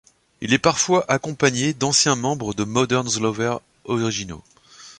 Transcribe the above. Il est parfois accompagné d'anciens membres des Modern Lovers originaux.